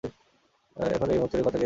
এখন এই ভাঙচুরের খরচা কে দেবে?